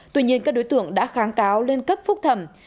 tuy nhiên các đối tượng đã kháng cáo lên cấp phúc thẩm